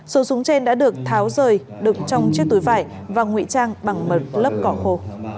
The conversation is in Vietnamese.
số súng trên đã được tháo rời đựng trong chiếc túi vải và nguy trang bằng một lớp cỏ khô